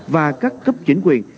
và các cấp chính quyền